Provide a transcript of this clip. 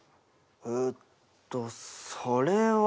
えっとそれは。